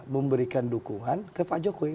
memberikan dukungan ke pak jokowi